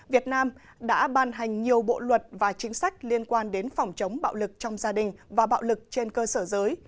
việt nam đã ban hành nhiều bộ luật và chính sách liên quan đến phòng chống bạo lực trong gia đình và bạo lực trên cơ sở giới